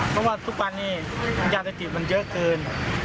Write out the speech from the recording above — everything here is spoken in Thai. เพราะว่าทุกวันนี้กัญชาด้วยติดเยอะเกิน